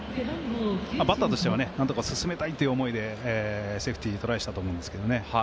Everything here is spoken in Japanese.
バッターとしてはなんとか進めたいという思いでセーフティーでトライしたと思うんですけどね。